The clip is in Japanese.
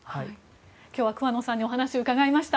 今日は桑野さんにお話を伺いました。